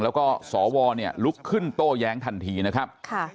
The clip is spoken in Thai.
แล้วก็สวเนี่ยลุกขึ้นโต้แย้งทันทีนะครับ